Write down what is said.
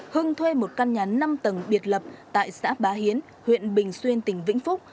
hưng thuê một căn nhà năm tầng biệt lập tại xã bá hiến huyện bình xuyên tỉnh vĩnh phúc